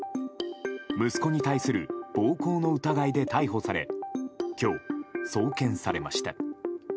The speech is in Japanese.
息子に対する暴行の疑いで逮捕され今日、送検されました。